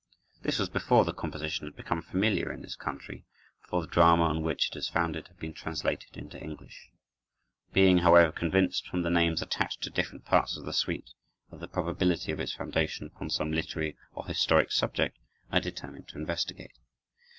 This was before the composition had become familiar in this country and before the drama on which it is founded had been translated into English. Being, however, convinced, from the names attached to different parts of the suite, of the probability of its foundation upon some literary or historic subject, I determined to investigate.